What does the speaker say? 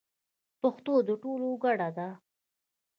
پښتو د ټولو ګډه ده.